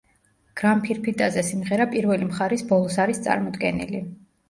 გრამფირფიტაზე სიმღერა პირველი მხარის ბოლოს არის წარმოდგენილი.